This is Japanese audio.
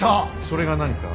それが何か。